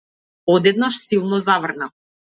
Одеднаш силно заврна.